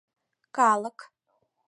Калык!